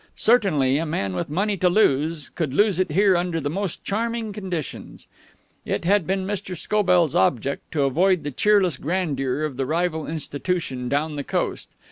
Certainly, a man with money to lose could lose it here under the most charming conditions. It had been Mr. Scobell's object to avoid the cheerless grandeur of the rival institution down the coast.